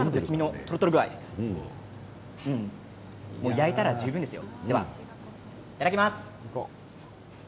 焼いたら十分ですよ。